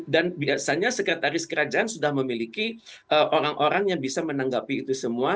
dan biasanya sekretaris kerajaan sudah memiliki orang orang yang bisa menanggapi itu semua